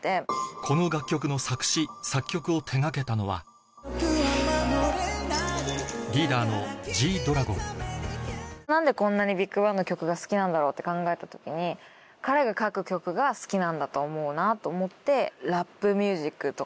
この楽曲の作詞作曲を手掛けたのは何でこんなにＢＩＧＢＡＮＧの曲が好きなんだろうって考えた時に彼が書く曲が好きなんだと思うなと思って。